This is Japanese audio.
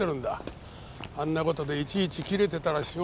あんな事でいちいちキレてたら仕事は出来ない。